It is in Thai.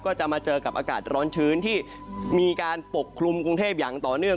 ก็จะมาเจอกับอากาศร้อนชื้นที่มีการปกคลุมกรุงเทพอย่างต่อเนื่อง